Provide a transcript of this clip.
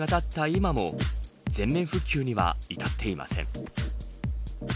今も全面復旧には至っていません。